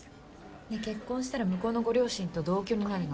ねえ結婚したら向こうのご両親と同居になるの？